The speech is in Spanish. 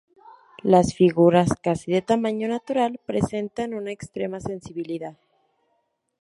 Las figuras, casi de tamaño natural, presentan una extrema sensibilidad.